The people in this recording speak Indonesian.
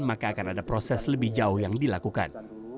maka akan ada proses lebih jauh yang dilakukan